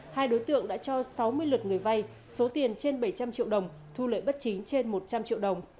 hai đối tượng đã cho sáu mươi lượt người vay số tiền trên bảy trăm linh triệu đồng thu lợi bất chính trên một trăm linh triệu đồng